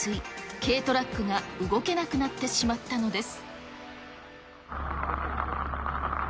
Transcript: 軽トラックが動けなくなってしまったのです。